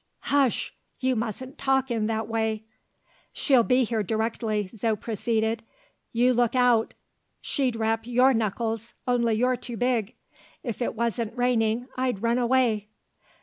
"Hush! you mustn't talk in that way." "She'll be here directly," Zo proceeded. "You look out! She'd rap your knuckles only you're too big. If it wasn't raining, I'd run away."